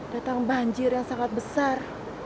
datang banjir yang sangat besar